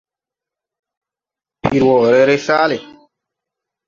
Pir wɔɔre ree saale.